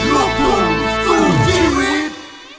ลูกหนูสู้ชีวิต